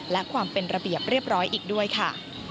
และความเป็นระเบียบเรียบร้อยอีกด้วยค่ะ